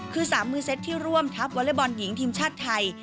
คือ๓มือเซตที่ร่วมทัพวอเล็กบอลหญิงทีมชาติไทย